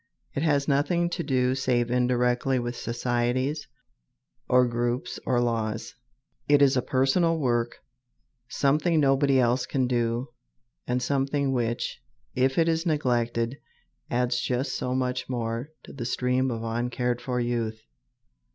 It has nothing to do save indirectly with societies, or groups, or laws. It is a personal work, something nobody else can do, and something which, if it is neglected, adds just so much more to the stream of uncared for youth.